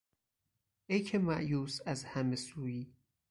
ایکه مایوس از همه سویی...